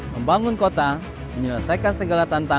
membangun kota menyelesaikan segala tantangan